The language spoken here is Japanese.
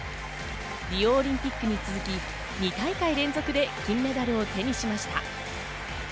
リオオリンピックに続き２大会連続で金メダルを手にしました。